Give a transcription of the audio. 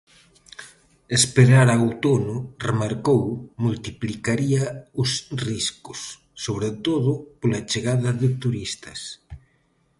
Esperar a outono, remarcou, multiplicaría os riscos, sobre todo "pola chegada de turistas".